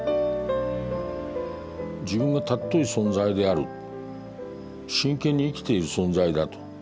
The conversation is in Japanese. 自分が尊い存在である真剣に生きている存在だと。